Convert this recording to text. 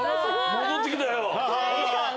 戻ってきたよ。